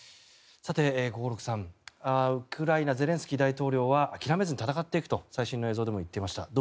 さて、合六さんウクライナゼレンスキー大統領は諦めずに戦っていくと最新の映像でも言っていました。